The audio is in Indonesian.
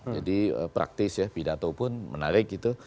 jadi praktis ya pidato pun menarik gitu